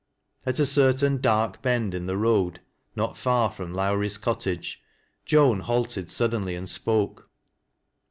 At a certain dark bend in the road not far from Lt wrie'i cottage, Joan halted suddenly and spoke.